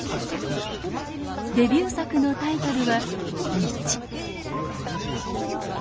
デビュー作のタイトルは「みち」。